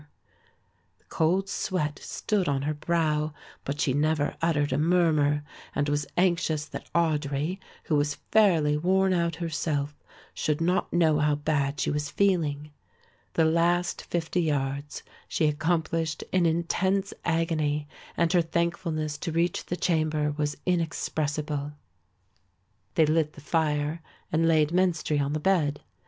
The cold sweat stood on her brow but she never uttered a murmur and was anxious that Audry, who was fairly worn out herself, should not know how bad she was feeling. The last 50 yards she accomplished in intense agony and her thankfulness to reach the chamber was inexpressible. They lit the fire and laid Menstrie on the bed.